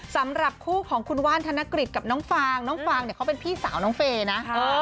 สำหรับคู่ของคุณว่านธนกฤษกับน้องฟางน้องฟางเนี่ยเขาเป็นพี่สาวน้องเฟย์นะ